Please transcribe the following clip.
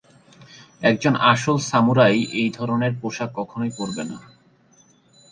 একজন আসল সামুরাই এই ধরনের পোশাক কখনোই পরবে না।